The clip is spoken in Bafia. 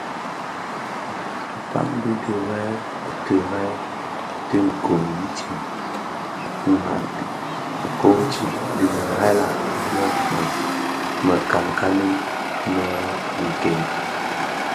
Akpaň bi tirèè tirèè ti gom itsem, ndhanen kōti dhi mëghèla më mpōn, mekanikani “mě nken”.